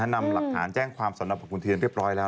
นำหลักฐานแจ้งความสนพคุณเทียนเรียบร้อยแล้ว